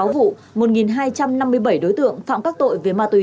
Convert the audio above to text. một nghìn năm mươi sáu vụ một nghìn hai trăm năm mươi bảy đối tượng phạm các tội về ma túy